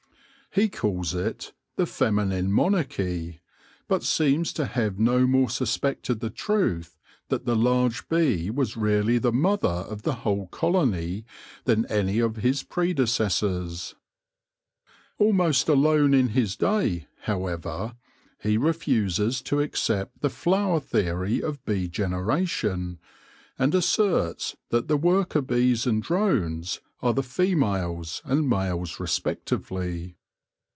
He calls it The Feminine Monarchic/ ' but seems to have no more suspected the truth that the large bee was really the mother of the whole colony than any of his pre decessors. Almost alone in his day, however, he refuses to accept the flower theory of bee generation, and asserts that the worker bees and drones are the females and males respectively.